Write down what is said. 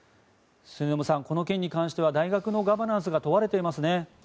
末延さん、この件に関しては大学のガバナンスが問われていますね。